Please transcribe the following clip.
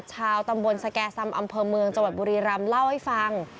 ชาวตำบลสแก่ซำอำเภอเมืองจังหวัดบุรีรำเล่าให้ฟัง